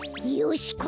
よし！